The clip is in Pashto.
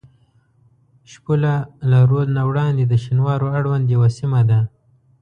شپوله له رود نه وړاندې د شینوارو اړوند یوه سیمه ده.